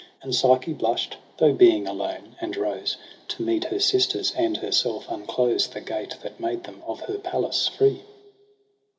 And Psyche blush' d, though being alone, and rose To meet her sisters and herself unclose The gate that made them of her palace free.